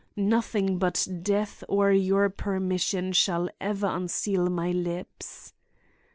Nothing but death or your permission shall ever unseal my lips.